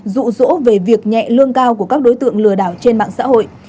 rụ rỗ về việc nhẹ lương cao của các đối tượng lừa đảo trên mạng xã hội